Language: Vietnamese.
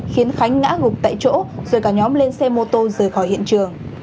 khiến khánh ngã gục tại chỗ rồi cả nhóm lên xe mô tô rời khỏi hiện trường